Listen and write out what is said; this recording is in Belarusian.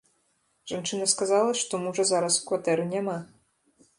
Жанчына сказала, што мужа зараз у кватэры няма.